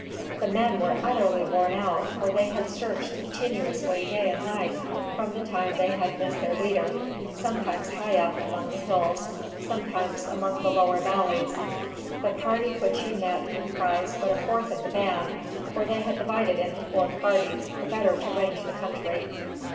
The men were utterly worn out, for they had searched continuously day and night from the time they had missed their leader, sometimes high up among the hills, sometimes among the lower valleys. The party which he met comprised but a fourth of the band, for they had divided into four parties, the better to range the country.